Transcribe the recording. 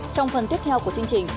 trong phần tiếp theo của chương trình